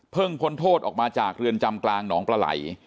พ้นโทษออกมาจากเรือนจำกลางหนองปลาไหล